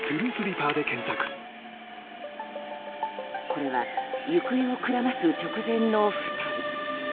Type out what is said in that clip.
これは行方をくらます直前の２人。